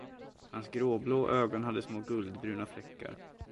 Hans gråblå ögon hade små guldbruna fläckar.